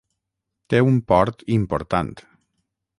Té un port important.